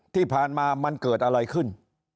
ที่ผ่านมามันเกิดอะไรขึ้น